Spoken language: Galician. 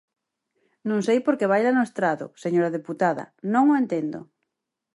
Non sei por que baila no estrado, señora deputada, non o entendo.